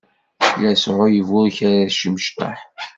Yasuɛ iburek arrac imecṭaḥ.